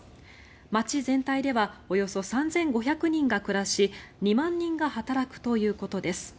街全体ではおよそ３５００人が暮らし２万人が働くということです。